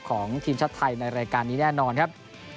ของทีมชาติไทยในรายการนี้แน่นอนครับ